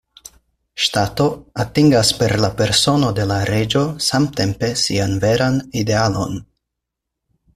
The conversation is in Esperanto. Ŝtato atingas per la persono de la reĝo samtempe sian veran idealon.